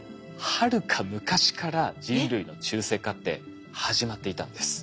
はるか昔から人類の中性化って始まっていたんです。